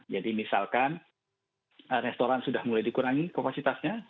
jadi misalkan restoran sudah mulai dikurangi kapasitasnya